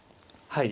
はい。